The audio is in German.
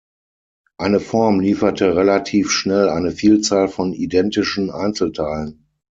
Eine Form lieferte relativ schnell eine Vielzahl von identischen Einzelteilen.